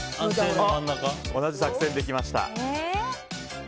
同じ作戦でいきました。